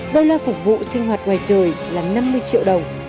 đô la phục vụ sinh hoạt ngoài trời là năm mươi triệu đồng